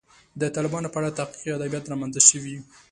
د طالبانو په اړه تحقیقي ادبیات رامنځته شوي.